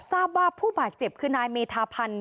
ทราบว่าผู้บาดเจ็บคือนายเมธาพันธ์